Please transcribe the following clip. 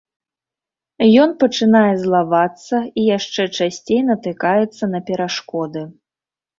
Ён пачынае злавацца і яшчэ часцей натыкаецца на перашкоды.